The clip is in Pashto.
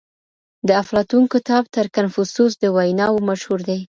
د افلاطون کتاب تر کنفوسوس د ويناوو مشهور دی.